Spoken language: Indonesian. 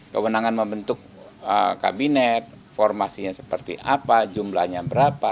kewenangan membentuk kabinet formasinya seperti apa jumlahnya berapa